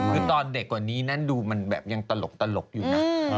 คือตอนเด็กกว่านี้นั้นดูมันแบบยังตลกอยู่นะ